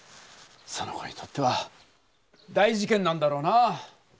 その子にとっては大事けんなんだろうな。